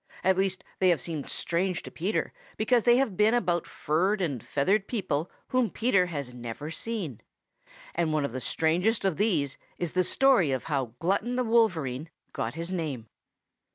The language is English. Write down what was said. At least they have seemed strange to Peter because they have been about furred and feathered people whom Peter has never seen. And one of the strangest of these is the story of how Glutton the Wolverine got his name.